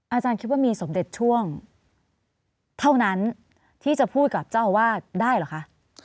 อาจารย์คิดว่ามีสมเด็จช่วงเท่านั้นที่จะพูดกับเจ้าอาวาสได้เหรอคะ